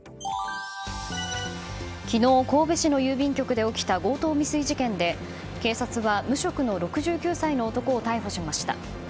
昨日、神戸市の郵便局で起きた強盗未遂事件で警察は無職の６９歳の男を逮捕しました。